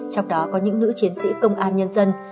trong đó có những nữ chiến sĩ công an nhân dân